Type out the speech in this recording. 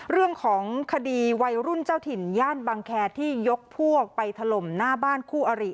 เรื่องของคดีวัยรุ่นเจ้าถิ่นย่านบังแคที่ยกพวกไปถล่มหน้าบ้านคู่อริ